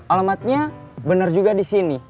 alamatnya benar juga disini